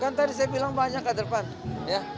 kan tadi saya bilang banyak kader pan